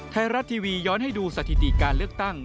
ไทยรัฐทีวีย้อนให้ดูสถิติการเลือกตั้ง